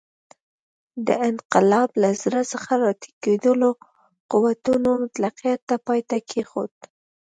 د انقلاب له زړه څخه راټوکېدلو قوتونو مطلقیت ته پای ټکی کېښود.